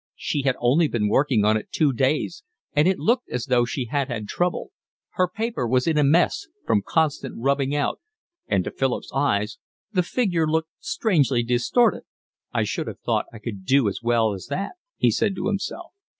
She had only been working on it two days, and it looked as though she had had trouble; her paper was in a mess from constant rubbing out, and to Philip's eyes the figure looked strangely distorted. "I should have thought I could do as well as that," he said to himself.